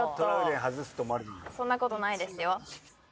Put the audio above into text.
そんなことないですよ。